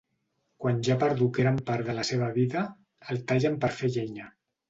Quan ja ha perdut gran part de la seva vida, el tallen per fer llenya.